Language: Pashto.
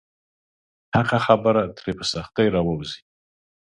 حقه خبره ترې په سختۍ راووځي.